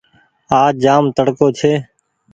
آج جآم تڙڪو ڇي